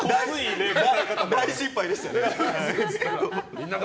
大失敗でしたね。